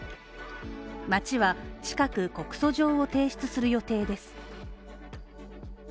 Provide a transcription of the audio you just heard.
町は近く、告訴状を提出する予定です。